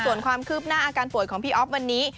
ส่วนความคืบหน้าอาการป่วยของพี่อ๊อฟวันนี้